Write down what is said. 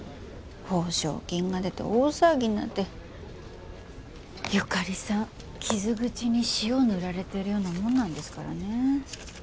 報奨金が出て大騒ぎになって由香利さん傷口に塩を塗られてるようなもんなんですからね。